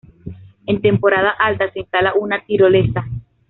En temporada alta, se instala una tirolesa.